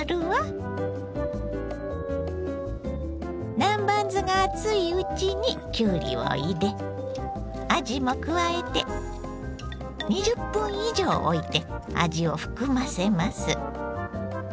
南蛮酢が熱いうちにきゅうりを入れあじも加えて２０分以上おいて味を含ませます。